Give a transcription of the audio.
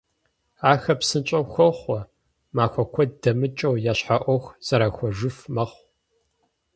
Ахэр псынщIэу хохъуэ, махуэ куэд дэмыкIыу я щхьэ Iуэху зэрахуэжыф мэхъу.